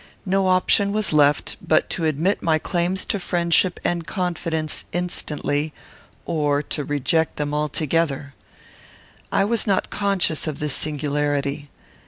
No option was left but to admit my claims to friendship and confidence instantly, or to reject them altogether. I was not conscious of this singularity.